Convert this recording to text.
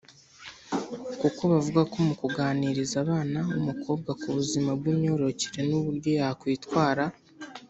kuko bavuga ko mu kuganiriza abana w’umukobwa ku buzima bw’imyororokere n’uburyo yakwitwara